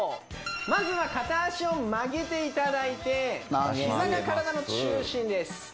まずは片足を曲げていただいて膝が体の中心です